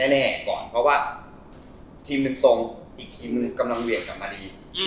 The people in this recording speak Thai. แน่ก่อนเพราะว่าทีมหนึ่งทรงอีกทีมหนึ่งกำลังเวียดกลับมาดี